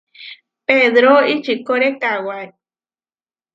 Pedró čikóre kawái.